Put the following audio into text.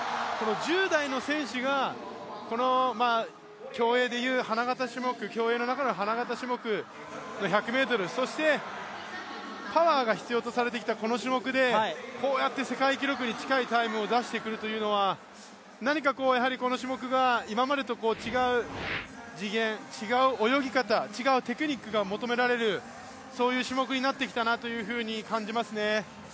１０代の選手がこの競泳の中の花形種目、１００ｍ、そしてパワーが必要とされてきたこの種目でこうやって世界記録に近いタイムを出してくるというのは何かこの種目が今までと違う次元、違う泳ぎ方、違うテクニックが求められる種目になってきたなと感じますね。